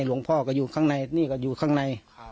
หลวงพ่อก็อยู่ข้างในนี่ก็อยู่ข้างใน